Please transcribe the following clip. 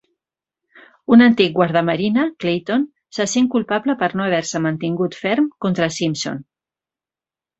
Un antic guàrdiamarina, Clayton, se sent culpable per no haver-se mantingut ferm contra Simpson.